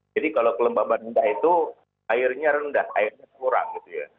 jadi kalau kelembabannya rendah itu airnya rendah airnya kurang